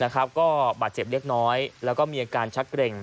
ก็บาดเจ็บเล็กน้อยแล้วก็มีอาการชักเกร็ง